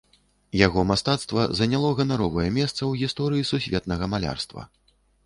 Яго мастацтва заняло ганаровае месца ў гісторыі сусветнага малярства.